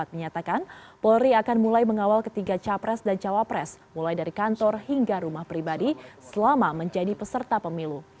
menyatakan polri akan mulai mengawal ketiga capres dan cawapres mulai dari kantor hingga rumah pribadi selama menjadi peserta pemilu